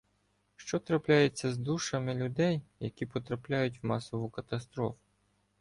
Що трапляється з душами, людей які потрапляють в масову катастрофу?